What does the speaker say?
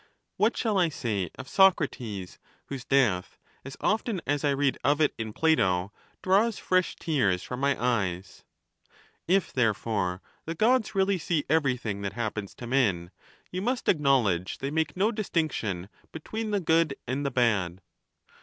What shall I say of Socrates,' whose death, as often as I read of it in Plato, draws fresh tears from my eyes ? If, therefore, the Gods really see everything that happens to men, you must ac knowledge they make no distinction between the good and the bad.